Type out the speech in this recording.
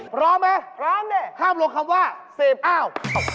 พร้อมไหมพร้อมดิห้ามลงคำว่าเสพอ้าว